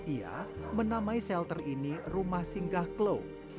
ia menamai shelter ini rumah singgah klo